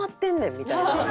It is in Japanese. みたいな。